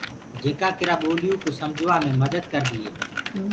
جيڪآ ڪِرآ ٻوليو ڪوُ سمگھوآ مي مدد ڪآردي هي۔